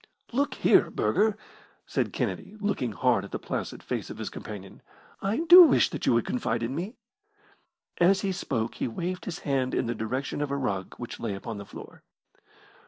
"Look here, Burger," said Kennedy, looking hard at the placid face of his companion, "I do wish that you would confide in me." As he spoke he waved his hand in the direction of a rug which lay upon the floor.